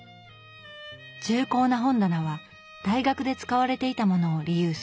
重厚な本棚は大学で使われていたものをリユース。